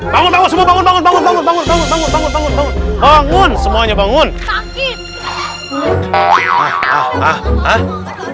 bangun bangun semuanya bangun bangun